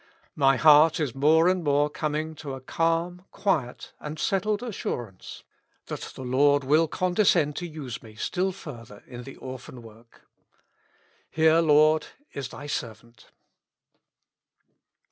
My heart is more and more coming to a calm, quiet, and settled assurance, that the L,ord will condescend to use me still further in the orphan work. Here, Lord, is Thy servant."